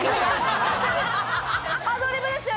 アドリブですよ